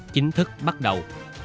chính thức bắt đầu